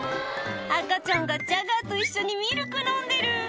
赤ちゃんがジャガーと一緒にミルク飲んでる。